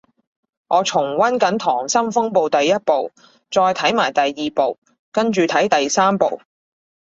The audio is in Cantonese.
我重溫緊溏心風暴第一部，再睇埋第二部跟住睇第三部